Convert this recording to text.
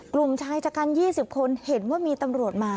กลุ่มชายชะกัน๒๐คนเห็นว่ามีตำรวจมา